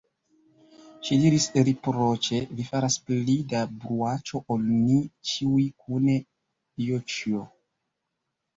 Ŝi diris riproĉe: "Vi faras pli da bruaĉo ol ni ĉiuj kune, Joĉjo".